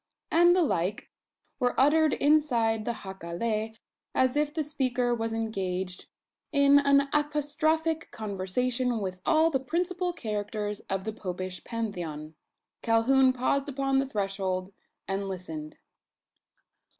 and the like, were uttered inside the jacale, as if the speaker was engaged in an apostrophic conversation with all the principal characters of the Popish Pantheon. Calhoun paused upon the threshold, and listened.